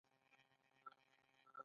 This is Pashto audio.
جمجمه د مغز ساتنه کوي